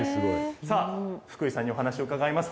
さあ、福井さんにお話を伺います。